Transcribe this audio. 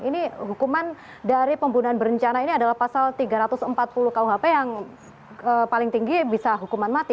ini hukuman dari pembunuhan berencana ini adalah pasal tiga ratus empat puluh kuhp yang paling tinggi bisa hukuman mati